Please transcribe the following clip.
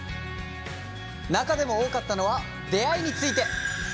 中でも多かったのは出会いについて。